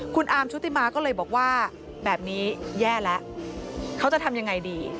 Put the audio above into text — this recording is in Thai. คุณอาร์มชุติมาก็เลยบอกว่าแบบนี้แย่แล้วเขาจะทำยังไงดี